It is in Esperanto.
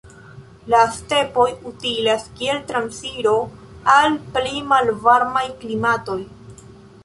La stepoj utilas kiel transiro al pli malvarmaj klimatoj.